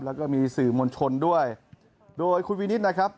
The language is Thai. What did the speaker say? แล้วก็มีสื่อมวลชนด้วยโดยคุณวินิตนะครับ